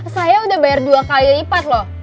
saya udah bayar dua kali lipat loh